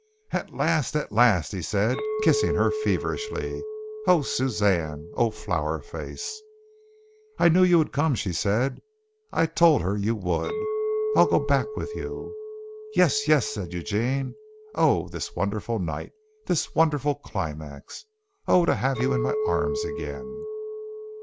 "At last! At last!" he said, kissing her feverishly. "Oh, Suzanne! Oh, Flower Face!" "I knew you would come," she said. "I told her you would. I'll go back with you." "Yes, yes," said Eugene. "Oh, this wonderful night! This wonderful climax! Oh, to have you in my arms again!"